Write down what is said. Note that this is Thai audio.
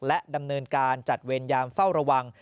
และดำเนินการจัดเวรยามเฝ้าระวัง